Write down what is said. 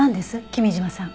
君嶋さん。